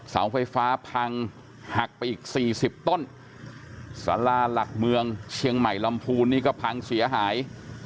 เสาไฟฟ้าพังหักไปอีกสี่สิบต้นสาราหลักเมืองเชียงใหม่ลำพูนนี่ก็พังเสียหาย